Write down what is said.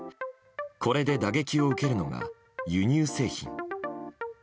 これで打撃を受けるのが輸入製品。